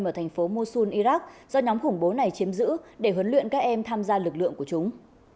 ở thành phố mussol iraq do nhóm khủng bố này chiếm giữ để huấn luyện các em tham gia lực lượng của chúng